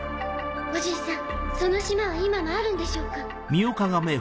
おじいさんその島は今もあるんでしょうか？